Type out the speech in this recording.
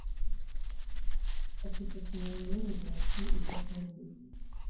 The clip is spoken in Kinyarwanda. ati fata inyama n'imigati idasembuye